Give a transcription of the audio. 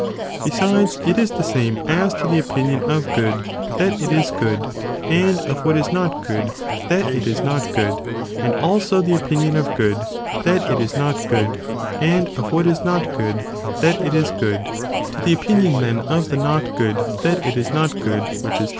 Besides, it is the same as to the opinion of good that it is good, and of what is not good, that it is not good ; and also the opinion of good, that it is not good, and of what is not good that it is good ; to the opinion then of the not good that it is not good, which is true, 2.